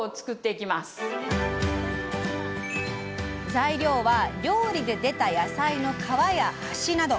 材料は料理で出た野菜の皮や端など。